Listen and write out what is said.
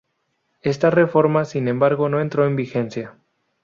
Esta reforma, sin embargo, no entró en vigencia.